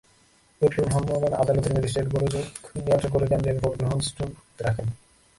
এরপর ভ্রাম্যমাণ আদালতের ম্যাজিস্ট্রেট গোলযোগ নিয়ন্ত্রণ করে কেন্দ্রের ভোট গ্রহণ স্থগিত রাখেন।